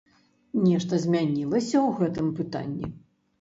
Нешта змянілася ў гэтым пытанні?